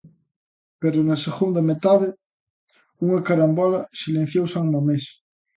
Pero na segunda metade unha carambola silenciou San Mamés.